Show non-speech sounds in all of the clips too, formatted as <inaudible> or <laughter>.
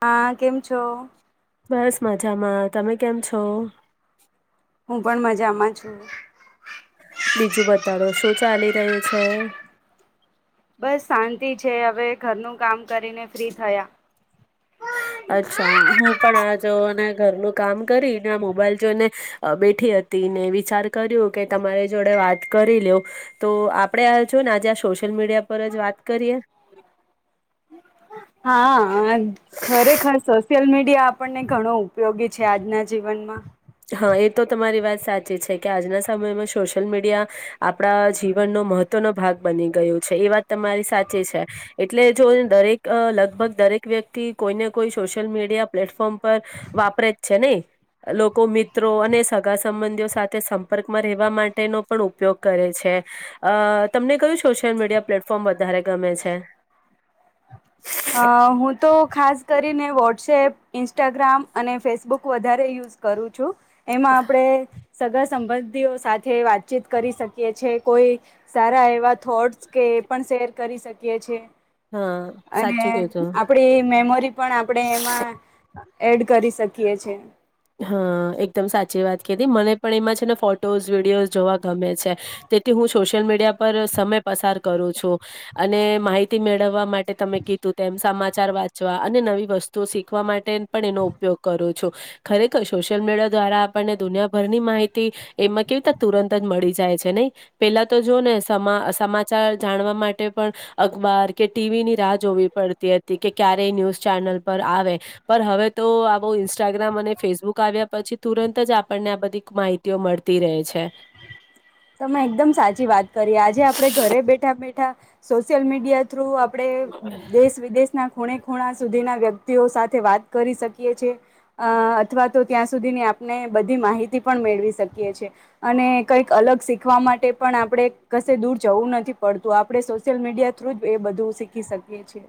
હા કેમ છો? બસ મજામાં. તમે કેમ છો? હું પણ મજામાં છું. બીજું બતાડો. શું ચાલી રહ્યું છે? બસ શાંતિ છે. હવે ઘરનું કામ કરીને ફ્રી થયા. અચ્છા. હું પણ આ જોવોને ઘરનું કામ કરીને, આ મોબાઈલ જોઈને બેઠી હત તીને વિચાર કર્યો કે તમારી જોડે વાત કરી લ્યો. તો આપણે આ જોવો ને આજે આ સોશિયલ મીડિયા ઉપર જ વાત કરીએ હા ખરેખર સોશિયલ મીડિયા આપણને ઘણો ઉપયોગી છે આજના જીવનમાં હા એ તો તમારી વાત સાચી છે કે આજના સમયમાં સોશિયલ મીડિયા આપણા જીવનનો મહત્વ નો ભાગ બની ગયો છે એ વાત તમારી સાચી છે. એટલે જો દરેક અ લગભગ દરેક વ્યક્તિ કોઈને કોઈ સોશિયલ મીડિયા પ્લેટફોર્મ પર વાપરે જ છે ને એ લોકો મિત્રો અને સગા સંબંધીઓ સાથે સંપર્કમાં રહેવા માટેનો પણ ઉપયોગ કરે છે અ તમને કયું શો સોશિયલ મીડિયા પ્લેટફોર્મ વધારે ગમે છે. અ હું તો ગ્રામ અને ફેસબુક વધારે યુઝ કરું છું એમાં આપણે સગા સંબંધીઓ સાથે વાતચીત કરી શકીએ છીએ કોઈ સારા એવા થોટ્સ કે એ પણ શેર કરી શકીએ છીએ. હા અને સાચું કીધું આપણે એ મેમોરી પણ આપણે એમાં અ એડ કરી શકીએ છીએ. હા, એકદમ સાચી વાત કીધી મને પણ એમાં છે ને ફોટોસ વિડીયોઝ જોવા ગમે છે. તેથી હું સોશિયલ મીડિયા પર સમય પસાર કરું છું અને માહિતી મેળવવા માટે તમે કીધું તેમ સમા ચાર વાંચવા અને નવી વસ્તુ શીખવા માટે પણ એનો ઉપયોગ કરું છું. ખરેખર સોશિયલ મીડિયા દ્વારા આપણને દુનિયાભરની માહિતી એમાં કેવી રીતના તુરંત જ મળી જાય છે નહી. પેલા તો જો ને સમા સમાચાર જાણવા માટે પણ અખબાર કે ટીવી ની રાહ જોવી પડતી હતી કે ક્યારે ન્યુઝ ચેનલ પર આવે પર હવે તો આ બહુ ઇન્સ્ટાગ્રામ અને ફેસબુક આવ્યા પછી તુરંત જ આપણને આ બધી માહિતીઓ મળતી રહે છે. તમે એકદમ સાચી વાત કરી આજે આપડે ઘરે બેઠા બેઠા સોશિયલ મીડિયા થ્રુ આપણે દેશ વિદેશના ખૂણે ખૂણા સુધીના વ્યક્તિઓ સાથે વાત કરી શકીએ છીએ અ અથવા તો ત્યાં સુધીની આપ ને બધી માહિતી પણ મેળવી શકીએ છીએ અને કઈક અલગ શીખવા માટે પણ આપણે કશે દૂર જવું નથી પડતું આપણે સોશિયલ મીડિયા થ્રુ જ એ બધું શીખી શકીએ છીએ.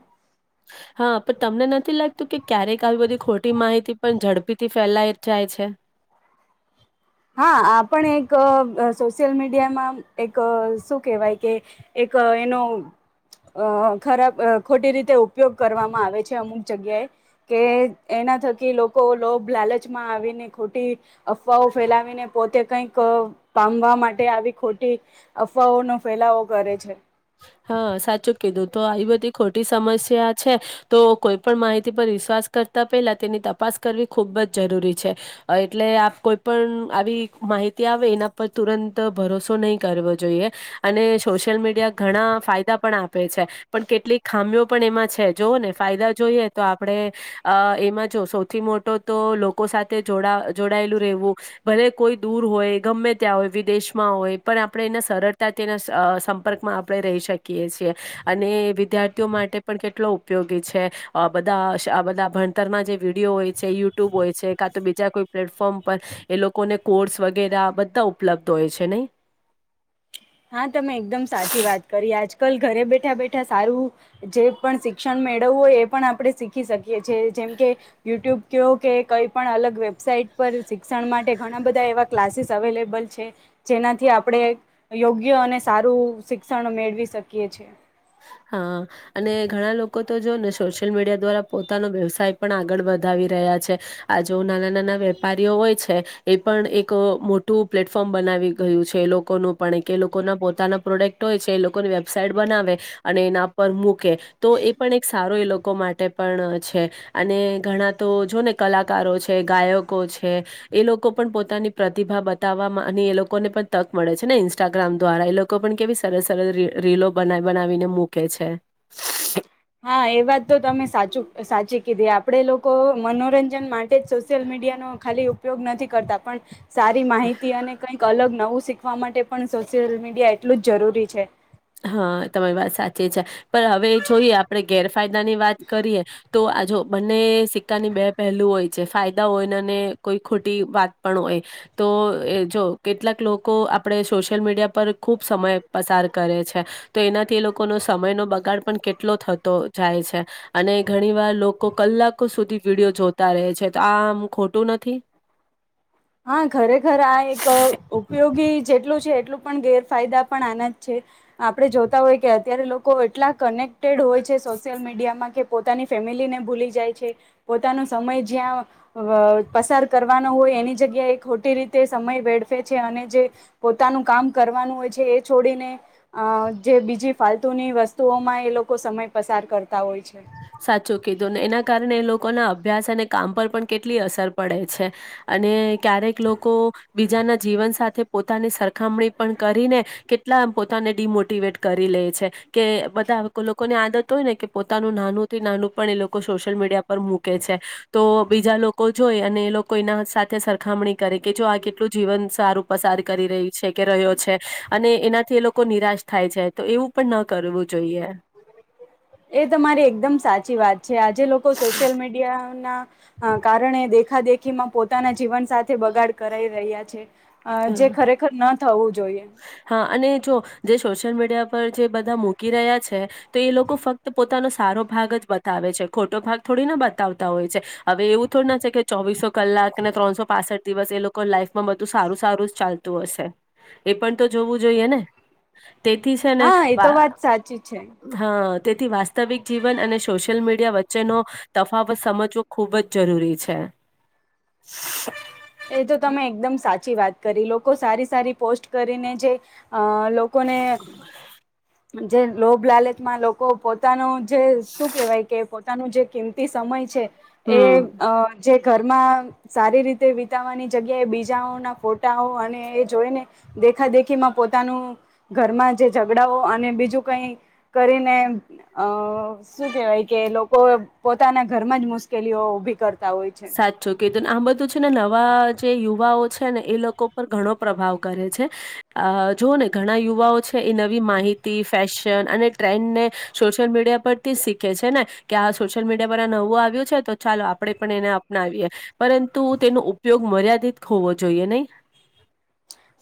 હ. હા પણ તમને નથી લાગતું કે ક્યારેક આવી બધી ખોટી માહિતી પણ ઝડપીથી ફેલાય જાય છે. <inaudible> હા આપ પણ એક સોશિયલ મીડિયામાં એક શું કેહેવાય કે એક ક એનો અ ખરાબ અ ખોટી રીતે ઉપયોગ કરવામાં આવે છે અમુક જગ્યાએ કે એ એના થકી લોકો લોભ લાલચમાં આવીને ખોટી અફવાઓ ફેલાવીને પોતે કઈક પામવા માટે આવી ખોટી અફવાઓનો ફેલાવો કરે છે. <inaudible> હા સાચું કીધું તો આવી બધી ખોટી સમસ્યા છે તો કોઈ પણ માહિતી પર વિશ્વાસ કર તા પેલા તેની તપાસ કરવી ખૂબ જ જરૂરી છે એટલે કોઈ પણ આવી મા હીતી આવે એના પર તુરંત ભરોસો નહીં કરવો જોઈએ અને સોશિયલ મીડિયા ઘણા ફાયદા પણ આપે છે પણ કેટલીક ખામીઓ પણ એમાં છે. જોઓ ને ફાયદા જોઈએ તો આપણે અ એમાં જો સૌથી મોટો તો લોકો સાથે જોડા જોડાયેલું રહેવું ભલે કોઈ દૂર હોય ગમે ત્યાં હોય વિદેશમાં હોય પણ આપણે એને સરળતાથીના અ સંપર્કમાં આપણે રહી શકીએ છીએ અને વિદ્યાર્થીઓ માટે પણ કેટલો ઉપયોગી છે અ બધા આ બધા ભણતરના જે વિડીયો હોય છે યુટ્યુબ હોય છે કા તો બીજા કોઈ પ્લેટફોર્મ પર એ લોકોને કોર્સ વગેરે બધા ઉપલબ્ધ હોય છે નહી? હા તમે એકદમ સાચી વાત કરી. આજકાલ ઘરે બેઠા બેઠા સારું જે પણ શિક્ષણ મેળવવું હોય એ પણ આપણે શીખી શક કીએ છે જેમ કે યુટ્યુબ કયો કે કઈ પણ અલગ વેબસાઇટ પર શિક્ષણ માટે ઘણા બધા એવા ક્લાસીસ અવેલેબલ છે જેનાથી આપણે યોગ્ય અને સારું શિક્ષણ મેળવી શકીએ છીએ હા અને ઘણા લોકો તો જો ને સોશિયલ મીડિયા દ્વારા પોતાનો વ્યવસાય પણ આગળ વધા રી રહ્યા છે આ જો નાના નાના વેપારીઓ હોય છે એ પણ એક મોટું પ્લેટફોર્મ બનાવી ગયું છે એ લોકોનું પણ કે એ લોકો ના પોતાના પ્રોડક્ટ હોય છે એ લોકોની વેબસાાઈટ બનાવે અને એના પર મૂકે તો એ પણ એક સારો એ લો કો માટે પણ છે અને ઘણા તો જો ને કલાકારો છે, ગાયકો છે. એ લોકો પણ પોતાની પ્રતિભા બતાવવામાં અને એ લોકોને પણ તક મળે છે ને ઇન્સ્ટાગ્રામ દ્વારા એ લોકો પણ કેવી સરસ સરસ રી રીલો બનાવી બનાવીને મૂકે છે. હા એ વાત તો તમે સાચું સાચી કીધી આપડે લોકો મનોરં જન માટે જ સોશિયલ મીડિયા નો ખાલી ઉપયોગ નથી કરતા પણ સારી માહિતી અને કઈક અલગ નવું શીખવા માટે પણ સોશિયલ મીડિયા એટલું જ જરૂરી છે. હા તમારી વાત સાચી છે. પણ હવે જોઈએ આપડે ગેરફાયદા ની વાત કરીએ તો આ જો બને સિક્કાની બે પહેલું હોય છે ફાયદા હોય ને અને કોઈ ખોટી વાત પણ હોય તો એ જો કેટલાક લોકો આપડે સોશિયલ મીડિયા પર ખૂબ સમય પસાર કરે છે તો એનાથી એ લોકોનો સમયનો બગાડ પણ કેટલો થતો જાય છે અને ઘણી વાર લોકો કલાકો સુધી વિડીયો જોતા રહે છે તો આમ ખોટું નથી. હા ખરેખર આ એક ઉપયોગી જેટલું છે એટલું પણ ગેરફાયદા પણ આના જ છે આપડે જોતા હોય કે અત્યારે લોકો એટલા કનેક ક્ટેડ હોય છે સોશિયલ મીડિયામાં કે પોતાની ફેમિલીને ભૂલી જાય છે પોતાનો સમય જ્યાં અવ પસાર કરવાનો હોય એની જગ્યાએ ખોટી રીતે સમય વેડફે છે અને જે પોતાનું કામ કરવાનું હોય છે એ છોડીને અ જે બીજી ફાલતુની વસ્તુઓમાં એ લોકો સમય પસાર કરતા હોય છે. સાચું કીધું ને એના કારણે એ લોકોના અભ્યાસ અને કામ પર પણ કેટલી અસર પડે છે. અને ક્યારેક લોકો બીજાના જીવન સાથે પોતાની સરખામણી પણ કરીને કેટલા પોતાને ડીમોટીવેટ કરી કેય છે કે બધા લોકોની આદત હોય ને કે પોતા નાનું થી નાનું પણ એ લોકો સોશિયલ મીડિયા પર મૂકે છે તો બીજા લોકો જોઈ અને એ લોકો એના સાથે સરખામણી કરે કે જો આ કેટલું જીવન સારું પસાર કરી રહી છેેકે રહ્યો છે. અને એનાથી એ લોકો નિરાશ થાય છે તો એવું પણ ના કરવું જોઈએ. એ તમારી એકદમ સાચી વાત છે આજે લોકો સોશિયલ મીડિયા ના કારણે દેખા દેખી માં પોતાના જીવન સાથે બગાડ કરાઈ રહ્યા છે. અ જે ખરેખર ન થવું જો હા અને. જો જે સોશિયલ મીડિયા પર જે બધા મૂકી રહ્યા છે તો એ લોકો ફક્ત પોતાનો સારો ભાગ. બતાવે છે ખોટો ભાગ થોડી ના બતાવતા હોય છે હવે એવું થોડ ના છે કે ચોવીસો કલાક ને ત્રણસો પાસઠ દિવસ એ લોકો લાઈફમાં બધું સારું સારું જ ચાલતું હશે. એ પણ તો જોવું જોઈએ ને તેથી છે ને હા એ વા તો વાત સાચી છે હા. તેથી વાસ્તવિક જીવન અને સોશિયલ મીડિયા વચ્ચેનો તફાવત સમજવો ખૂબ જ જરૂરી છે. <inaudible> એ તો તમે એકદમ સાચી વાત કરી લોકો સારી સારી પોસ્ટ કરીને જે અ લોકોને <inaudible> જે લોભ લાલચમાં લોકો પોતાના જે શું કેવાય કે પો તાનું જે કિંમતી સમય છે એ હમ. અ જે ઘરમાં સારી રીતે વી ઉતાવાની જગ્યા એ બીજાઓ ના ફોટાઓ અને એ જોઈને દેખા દેખી માં પોતાનું ઘરમાં જે ઝઘડાઓ અને બીજું કંઈ કરીને શું કહેવાય કે. લોકો પોતાના ઘરમાં જ મુશ્કેલીઓ ઉભી કર સાચું કીધુંને આમ બધું છે ને નવા જે યુવાઓ છે ને એ લોકો પર ઘણો પ્રભાવ કરે છે જુઓ ને ઘણા યુવાઓ છે એ નવી માહિ તી ફેશન અને ટ્રેન્ડ ને સોશિયલ મીડિયા પરથી શીખે છે ને કે આ સોશિયલ મીડિયા પર વું આવ્યું છે તો ચાલો આપડે પણ એને અપનાવીએ પરંતુ તેનો ઉપયોગ મર્યાદિત હોવો જોઈએ નહી.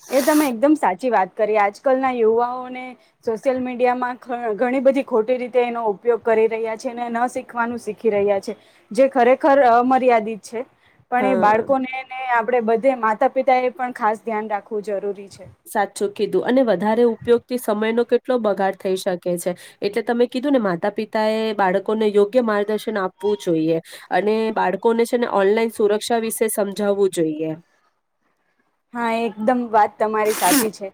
એ તમે એકદમ સાચી વાત. કરી આજકાલના યુવાઓને સોશિયલ મીડિયામાં ઘણી બધી ખોટી રીતે એનો ઉપયોગ ક રી રહ્યા છે ન શીખવાનું શીખી રહ્યા છે જે ખરેખર મર્યાદિત છે પણ એ હા. બાળકોને ને આપડે બધે માતા પિતા એ પણ ખાસ ધ્યાન રાખવું જરૂરી છે સાચું. કીધું અને વધારે ઉપયોગથી સમયનો કેટલો બગાડ થઈ શકે છે એટલે તમે કીધું ને માતા પિત તાએ બાળકોને યોગ્ય માર્ગદર્શન આપવું જોઈએ અને બાળકોને છે ને ઓનલાઈન સુરક્ષા વિશે સમજાવવું જોઈએ. હા, એકદમ વાત તમારી સાચી છે.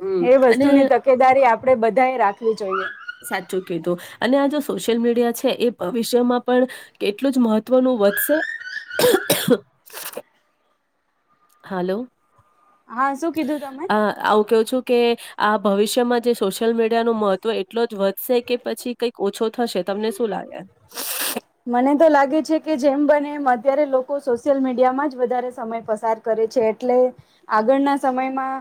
હમ એ અને વસ્તુની તકેદારી આપડે બધા એ રાખવી જોઈએ. સાચું કીધું અને આ જો સોશિયલ મીડિયા છે એ ભવિષ્યમાં પણ એટલું જ મહત્વનું. વધશે. હાલો હા શું કીધું તમે આવું કવું છું કે આપ. ભવિષ્યમાં જે સોશિયલ મીડિયાનું મહત્ત્વ એટલો જ વધશે કે પછી કંઈક ઓછો થશે તમને. શુ લાગે. મને તો લાગે છે કે જેમ બને એમ અત્યારે લોકો સોશિયલ મીડિયામાં જ વધારે સમય પસાર કરે. એ છે એટલે આગળના સમયમાં.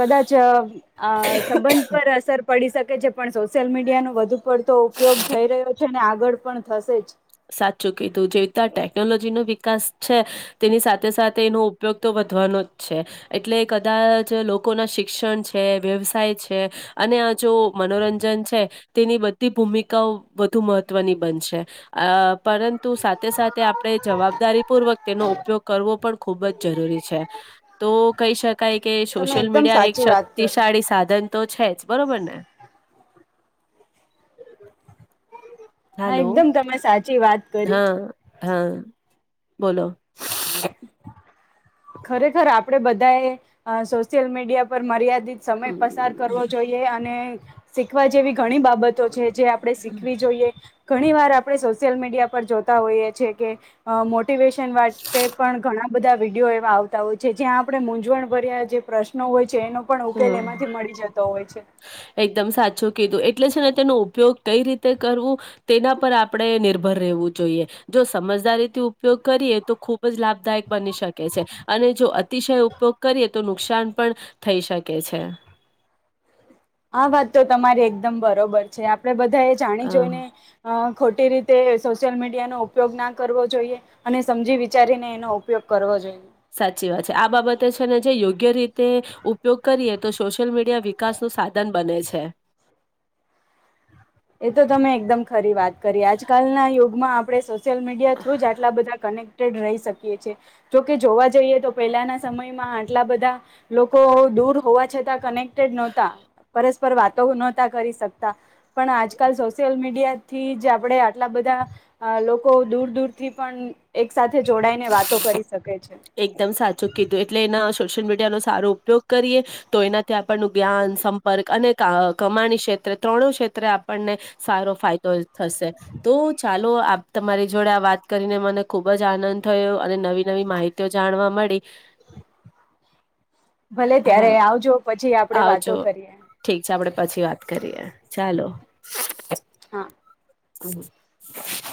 કદાચ અ સંબંધ પર અસર પડી શકે છે. પણ સોશિયલ મીડિયા નો વધુ પડતો ઉપયોગ થઈ રહ્યો છે ને આગળ પણ થશે જ. સાચું કીધું જેવી રીતે આ ટેકનોલોજી નું. વિકાસ છે તેની સાથે સાથે એનો ઉપયોગ તો વધવાનો જ છે એટલે કદાચ. લોકો ના શિક્ષણ છે વ્યવસાય છે અને આ જો મનોરંજન છે તેની બધી. ભૂમિકાઓ વધુ મહત્વની બનશે આ. પરંતુ સાથે સાથે આપડે જવાબદારી પૂર્વક તેનો ઉપયોગ કરવો પણ ખૂબ જ જરૂરી છે. તો કહી શકાય કે તમે સોશિયલ એકદમ મીડિયા એક સાચી વાત કરી શક્તિશાળી સાધન તો છે જ બરોબર ને? હા, હાલો એકદમ તમે સાચી વાત કરી. હા હા, બોલો. ખરેખર આપડે બધા એ અહ સોશિયલ મીડિયા પર મર્યાદ દી સમય હમ પસાર કરવો જોઈએ અને શીખવા જેવી ઘણી બાબતો છે જે આપડે શીખવી જોઈએ ઘણી વાર આપડે સોશિયલ મીડિયા પર જોતા હોઈએ છીએ કે અહ મો ટિવેશન માટે પણ ઘણા બધા વિડીયો એ આવતા હોય છે જ્યાં આપડે મૂંઝવણ ભર્યા જે પ્રશ્નો હોય છે એનો પણ ઉકેલ હા. એમાંથી મળી જતો હોય છે. એકદમ સાચું કીધું એટલે છે ને તેનો ઉપયોગ કઈ રીતે કરવું તેના પર આપડે નિભર રહેવું જોઈએ. જો સમજદારીથી ઉપયોગ કરીએ તો ખૂબ જ લાભ દાયક બની શકે છે અને જો અતિશય ઉપયોગ કરીએ તો નુકસાન પણ થઈ શકે છે. આ વાત તો તમારી એકદમ બરોબર છે. આપડે બધા એ જાણી અ જોઈને અહ ખોટી રીતે સોશિયલ મીડિયાનો ઉપયોગ ના કરવો જોઈએ અને સમજી વિચારીને એનો ઉપયોગ કરવો જોઈએ. સાચી વાત છે. આ બાબતે છે ને જે યોગ્ય રીતે ઉપયોગ કરીએ તો શો શિયલ મીડિયા વિકાસનું સાધન બને છે. એ તો તમે એકદમ ખરી વાત કરી આજકાલના યુગમાં આપડે સો સીયલ મીડિયા થ્રુ જ આટલા બધા કનેક્ટ ટેડ રહી શકીએ છે. જોકે જોવા જઈએ તો પેલાના સમયમાં આટલા બધા લોકો દૂર હોવા છતાં કનેક્ટેડ નોતા પરસ્પર વાતો નોતા કરી શકતા. પણ આજકાલ સોશિયલ મીડિયાથી જ આપણડે આટલા બધા અહ લોકો દૂર દૂરથી પણ એક સાથે જોડાઈને વાતો કરી શકે છે. એકદમ સાચું કીધું એટલે એના સોશિયલ મીડિયાનોો સારો ઉપયોગ કરીએ તો એનાથી આપણનું જ્ઞાન સંપર્ક અને કમાણી છે ત્રણ ક્ષેત્રે આપણને સારો ફાયદો થશે તો ચાલો આપ તમારી જોડે વાત કરીને મને ખૂબ જ આનંદ થયો અને નવી નવી માહિતી ઓ જાણવા મળી. ભલે ત્યારે હા આવજો પછી આપડે વાતો આવજો કરીએ. ઠીક છે આપડે પછી વાત કરીએ ચાલો. હા. <inaudible>